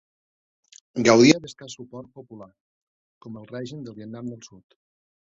Gaudia d'escàs suport popular, com el règim del Vietnam del Sud.